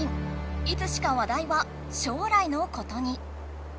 いつしか話題は将来のことに。